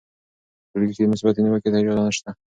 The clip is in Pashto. په ټولګي کې مثبتې نیوکې ته اجازه سته.